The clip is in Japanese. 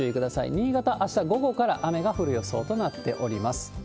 新潟、あした午後から雨が降る予想となっております。